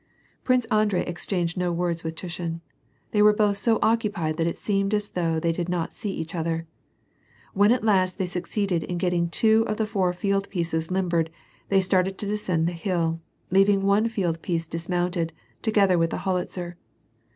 Prince Andrei exchanged no words with Tushin. They were both so occupied that it seemed as though they did not see each other. When at last they succeeded in getting two of the four field pieces limbered, they started to descend the hill, leaving one field piece dismounted, together with the howitzer.